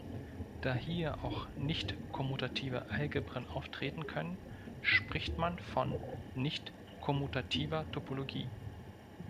Da hier auch nicht-kommutative Algebren auftreten können, spricht man von nicht-kommutativer Topologie.